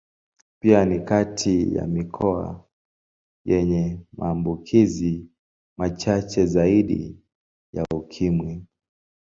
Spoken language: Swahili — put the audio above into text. Pia ni kati ya mikoa yenye maambukizi machache zaidi ya Ukimwi.